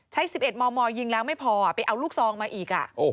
๑๑มมยิงแล้วไม่พอไปเอาลูกซองมาอีก